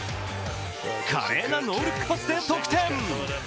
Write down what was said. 華麗なノールックパスで得点。